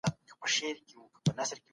غیرت د ننګ او حیا نوم دی.